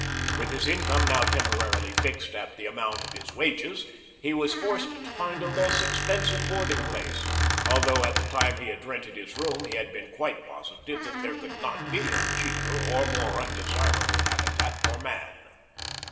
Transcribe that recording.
With his income now temporarily fixed at the amount of his wages, he was forced to find a less expensive boarding place, although at the time he had rented his room he had been quite positive that there could not be a cheaper or more undesirable habitat for man.